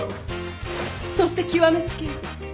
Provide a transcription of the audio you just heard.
そして極め付けは。